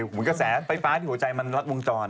เหมือนกระแสไฟฟ้าที่หัวใจมันรัดวงจร